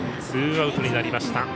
ツーアウトになりました。